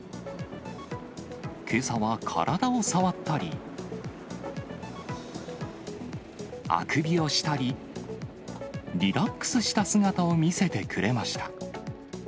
けさは体を触ったり、あくびをしたり、リラックスした姿を見せてくれました。